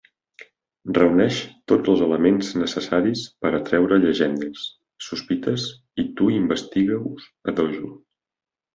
Reuneix tots els elements necessaris per atreure llegendes, sospites i tu-investiga-hos a dojo.